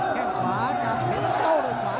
แกงขวากับแกงก้าวลงขา